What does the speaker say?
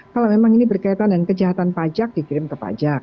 kalau memang ini berkaitan dengan kejahatan pajak dikirim ke pajak